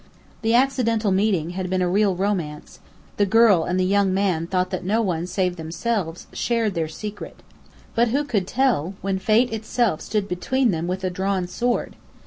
The accidental meeting had been a real romance: the girl and the young man thought that no one, save themselves, shared their secret. But who could tell, when Fate itself stood between them with a drawn sword?